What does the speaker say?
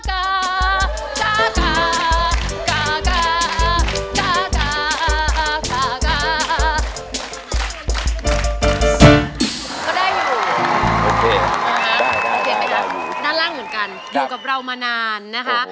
โอเคไหมครับด้านล่างเหมือนกันอยู่กับเรามานานนะคะ